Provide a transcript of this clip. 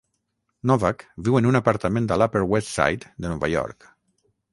Novak viu en un apartament a l'Upper West Side de Nova York.